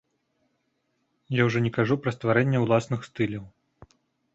Я ўжо не кажу пра стварэнне ўласных стыляў.